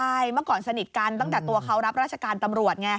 ใช่เมื่อก่อนสนิทกันตั้งแต่ตัวเขารับราชการตำรวจไง